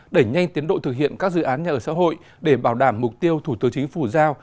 đẩy nhanh tiến độ thực hiện các dự án nhà ở xã hội để bảo đảm mục tiêu thủ tướng chính phủ giao